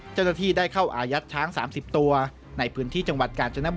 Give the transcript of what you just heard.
เจ้าหน้าที่ได้เข้าอายัดช้าง๓๐ตัวในพื้นที่จังหวัดกาญจนบุรี